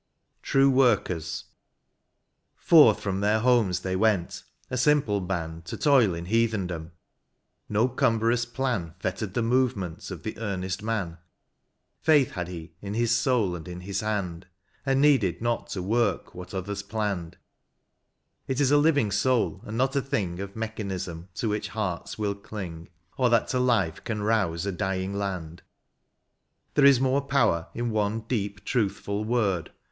83 XLL TRUE WORKERS. Forth from their homes they went, a simple hand, To toil in heathendom ; no cumbrous plan Fettered the movements of the earnest man ; Faith had he in his soul, and in his hand, And needed not to work what others planned : It is a living soul, and not a thing Of mechanism, to which hearts will cling, Or that to life can rouse a dying land. There is more power in one deep truthftil word.